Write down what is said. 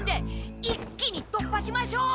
一気にとっぱしましょう！